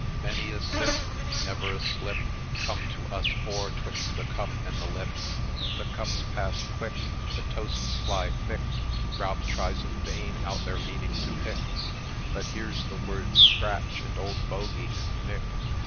Many a sip, never a slip Come to us four 'twixt the cup and the lip I ' The cups pass quick, The toasts fly thick, Rob tries in vain out their meaning to pick, But hears the words 'Scratch,' and 'Old Bogey,' and 'Nick.'